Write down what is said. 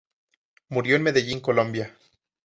Murió en Medellín Colombia.